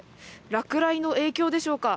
落雷の影響でしょうか。